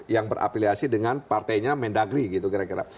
yang berafiliasi dengan partainya mendagri gitu kira kira